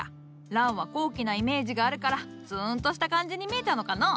ランは高貴なイメージがあるからつんとした感じに見えたのかのう。